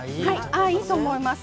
いいと思います